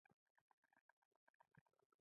زه فکر کوم چې دا یو ښه تصمیم ده